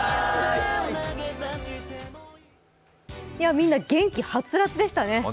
みんな元気はつらつでしたね。